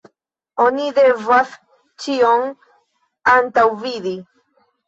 Oni devas ĉion antaŭvidi.